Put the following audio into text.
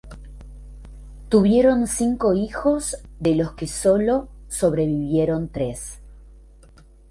Tuvieron cinco hijos de los que solo sobrevivieron tres.